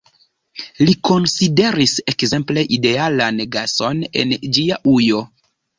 Li konsideris, ekzemple, idealan gason en ĝia ujo.